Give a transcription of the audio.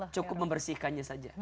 cukup membersihkannya saja